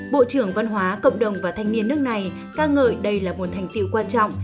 bộ trưởng văn hóa cộng đồng và thanh niên nước này ca ngợi đây là một thành tiệu quan trọng